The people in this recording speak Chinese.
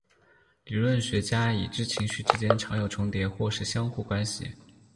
理论学家已知情绪之间常有重叠或是相互关系。